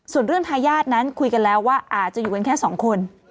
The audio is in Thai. ส่วนเรื่องทายาทนั้นคุยกันแล้วว่าอาจจะอยู่กันแค่สองคน